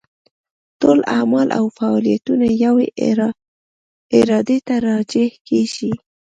ټول اعمال او فاعلیتونه یوې ارادې ته راجع کېږي.